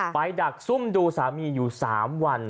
ดักซุ่มดูสามีอยู่๓วัน